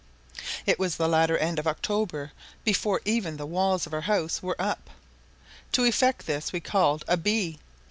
It was the latter end of October before even the walls of our house were up. To effect this we called "a bee."